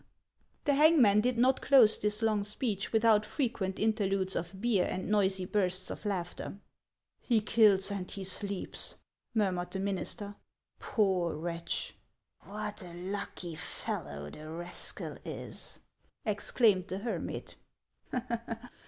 The hangman did not close this long speech without fre quent interludes of beer and noisy bursts of laughter. "He kills, and he sleeps!" murmured the minister; " poor wretch !"" What a lucky fellow the rascal is !" exclaimed the hermit.